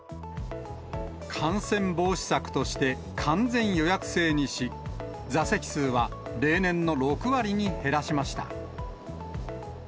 感染防止策として完全予約制にし、座席数は例年の６割に減らしました。